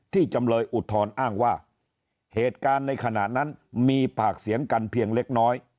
จำเลยอุทธรณ์อ้างว่าเหตุการณ์ในขณะนั้นมีปากเสียงกันเพียงเล็กน้อย